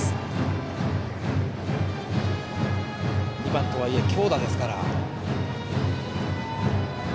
２番とはいえ強打ですから。